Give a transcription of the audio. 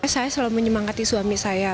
saya selalu menyemangati suami saya